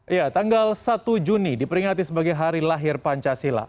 ya tanggal satu juni diperingati sebagai hari lahir pancasila